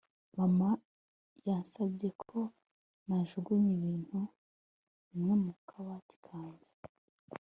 mama yansabye ko najugunya ibintu bimwe mu kabati kanjye